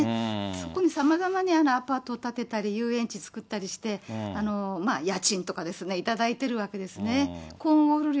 そこにさまざまにアパート建てたり、遊園地作ったりして、家賃とかですね、頂いてるわけですね。